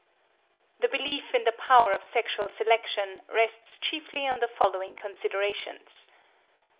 The belief in the power of sexual selection rests chiefly on the following considerations.